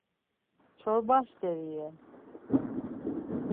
Çorba st̆eri iyen.